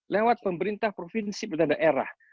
lewat pemerintah provinsi dan daerah